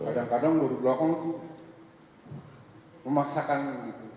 kalau ke pinggir ke belakang itu memaksakan gitu